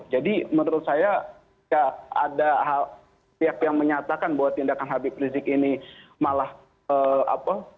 jadi menurut saya tidak ada pihak yang menyatakan bahwa tindakan habib rizieq ini malah apa